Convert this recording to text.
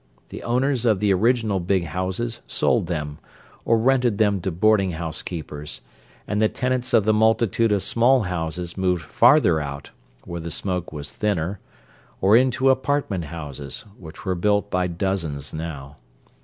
The owners of the original big houses sold them, or rented them to boarding house keepers, and the tenants of the multitude of small houses moved "farther out" (where the smoke was thinner) or into apartment houses, which were built by dozens now.